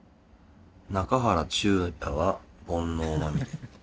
「中原中也は煩悩まみれ」。